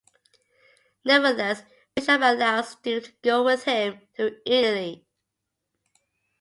Nevertheless, Bishop allows Steve to go with him to Italy.